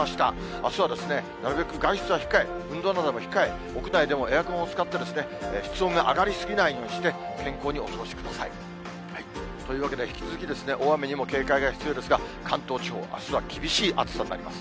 あすはなるべく外出は控え、運動なども控え、屋内でもエアコンを使って、室温が上がり過ぎないようにして、健康にお過ごしください。というわけで、引き続き、大雨にも警戒が必要ですが、関東地方、あすは厳しい暑さになります。